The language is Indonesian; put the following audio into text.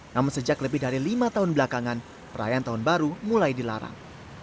namun sejak lebih dari lima tahun belakangan perayaan tahun baru mulai dilarang